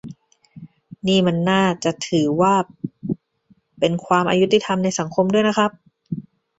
นี่มันน่าจะถือเป็นความอยุติธรรมในสังคมด้วยนะครับ